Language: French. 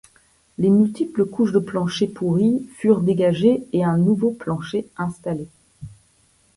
Les multiples couches de plancher pourri furent dégagées et un nouveau plancher installé.